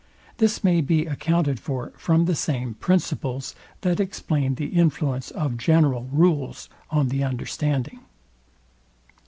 This may be accounted for from the same principles, that explained the influence of general rules on the understanding.